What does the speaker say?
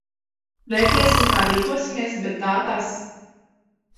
Redzēsim, kā rīkosimies, bet tā tas nevar tālāk turpināties.